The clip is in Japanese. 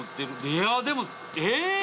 いやでもえ？